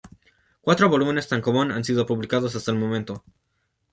Cuatro volúmenes tankōbon han sido publicados hasta el momento.